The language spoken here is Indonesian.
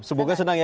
semoga senang ya